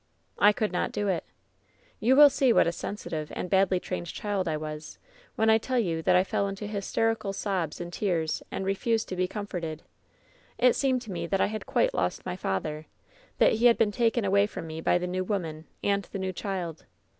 "I could not do it. You will see what a sensitive and badly trained child I was when I tell you that I fell into hysterical sobs and tears, and refused to be comforted. It seemed to me that I had quite lost my father — that he had been taken away from me by the new woman and the new child.